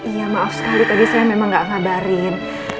iya maaf sekali tadi saya memang gak ngabarin